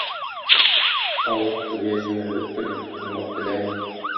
Аллаһ сезгә җиңеллек тели, кыенлык теләми.